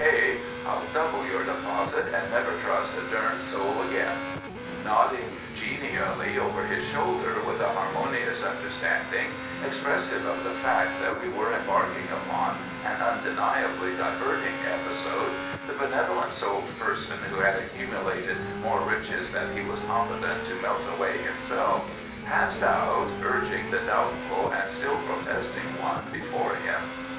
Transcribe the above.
K., I'll double your deposit and never trust a durned soul again." Nodding genially over his shoulder with a harmonious understanding, expressive of the fact that we were embarking upon an undeniably diverting episode, the benevolent souled person who had accumulated more riches than he was competent to melt away himself, passed out, urging the doubtful and still protesting one before him.